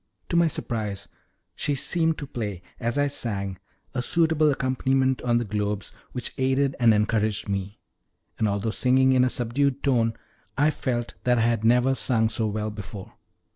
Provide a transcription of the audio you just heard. To my surprise she seemed to play as I sang a suitable accompaniment on the globes, which aided and encouraged me, and, although singing in a subdued tone, I felt that I had never sung so well before.